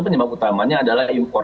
penyebab utamanya adalah impor